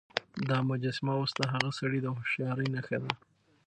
دا مجسمه اوس د هغه سړي د هوښيارۍ نښه ده.